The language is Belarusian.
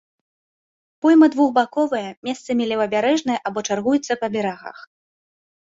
Пойма двухбаковая, месцамі левабярэжная або чаргуецца па берагах.